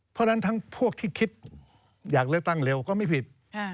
เพราะฉะนั้นทั้งพวกที่คิดอยากเลือกตั้งเร็วก็ไม่ผิด